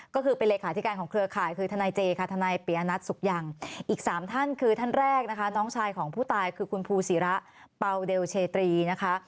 ก็คือเป็นเลขาธิการของเครือข่ายคือทนายเจค่ะทนายปียนัทสุขยังอีกสามท่านคือท่านแรกนะคะน้องชายของผู้ตายคือคุณภูศิระเปล่าเดลเชตรีนะคะ